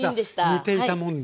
似ていたもんで。